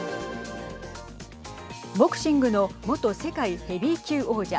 ボクシングの元世界ヘビー級王者